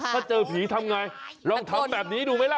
ถ้าเจอผีทำไงลองทำแบบนี้ดูไหมล่ะ